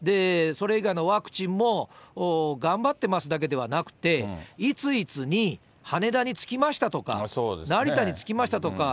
それ以外のワクチンも、頑張ってますだけではなくて、いついつに羽田に着きましたとか、成田に着きました。